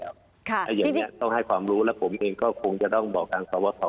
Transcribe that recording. อย่างนี้ต้องให้ความรู้แล้วผมเองก็คงจะต้องบอกทางสวทร